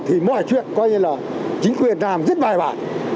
thì mọi chuyện chính quyền làm rất bài bản